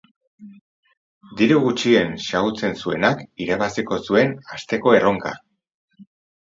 Diru gutxien xahutzen zuenak irabaziko zuen asteko erronka.